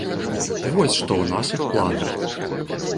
Вось што ў нашых планах.